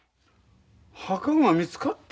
墓が見つかった？